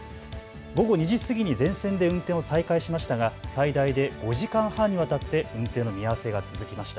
午後２時過ぎに全線で運転を再開しましたが最大で５時間半にわたって運転の見合わせが続きました。